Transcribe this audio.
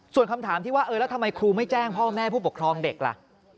ส่วนคำถามที่ว่าเออแล้วทำไมครูไม่แจ้งพ่อแม่ผู้ปกครองเด็กล่ะ